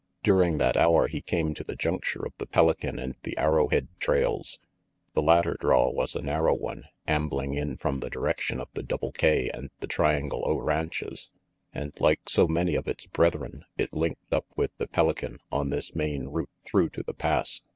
During that hour he came to the juncture of the Pelican and the Arrowhead trails. The latter draw was a narrow one, ambling in from the direction of the Double K and the Triangle O ranches, and like so many of its brethren it linked up with the Pelican on this main route through to the Pass.